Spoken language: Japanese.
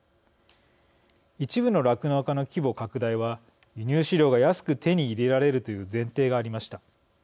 一部の酪農家の規模拡大は輸入飼料が安く手に入れられるという前提がありました。